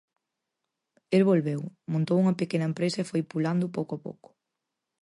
El volveu, montou unha pequena empresa e foi pulando pouco a pouco.